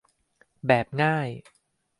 แบบง่าย